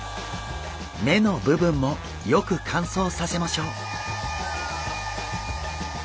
目の部分もよく乾燥させましょう。